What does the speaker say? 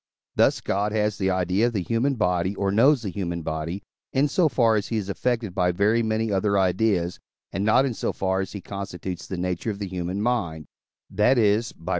Thus God has the idea of the human body, or knows the human body, in so far as he is affected by very many other ideas, and not in so far as he constitutes the nature of the human mind; that is (by II.